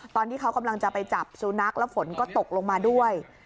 ตอนที่เขากำลังจะไปจับสุนัขแล้วฝนก็ตกลงมาด้วย